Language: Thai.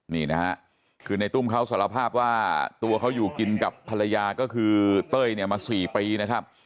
นี่นะฮะคือในตุ้มเขาสารภาพว่าตัวเขาอยู่กินกับภรรยาก็คือเต้ยเนี่ยมา๔ปีนะครับ